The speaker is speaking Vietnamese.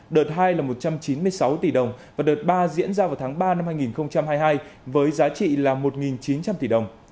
đợt hai là một trăm chín mươi sáu tỷ đồng và đợt ba diễn ra vào tháng ba năm hai nghìn hai mươi hai với giá trị là một chín trăm linh tỷ đồng